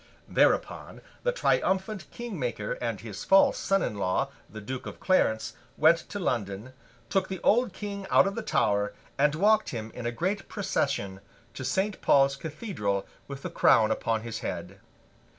Thereupon, the triumphant King Maker and his false son in law, the Duke of Clarence, went to London, took the old King out of the Tower, and walked him in a great procession to Saint Paul's Cathedral with the crown upon his head.